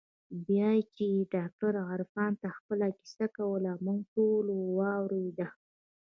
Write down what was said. بيا چې دې ډاکتر عرفان ته خپله کيسه کوله موږ ټوله واورېده.